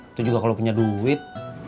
itu juga kalau punya duit